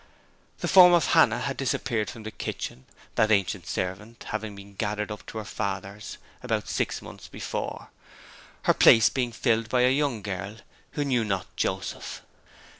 "' The form of Hannah had disappeared from the kitchen, that ancient servant having been gathered to her fathers about six months before, her place being filled by a young girl who knew not Joseph.